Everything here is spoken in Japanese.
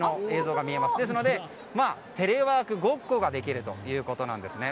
ですので、テレワークごっこができるというものなんですね。